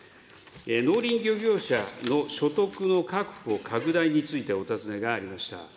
農林漁業者の所得の確保拡大についてお尋ねがありました。